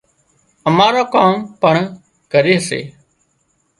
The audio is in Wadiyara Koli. اماران ڪام پڻ ڪري سي